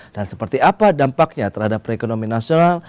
dan seperti apa dampaknya terhadap rekonomi nasional